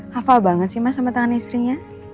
hafal banget sih mas sama tangan istrinya